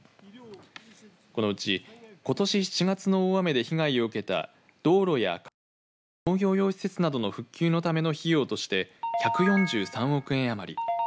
このうち、ことし７月の大雨で被害を受けた道路や河川、農業用施設などの復旧のための費用として１４３億円余り。